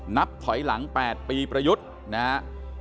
นับถอยหลัง๘ปีประยุทธ์นะครับ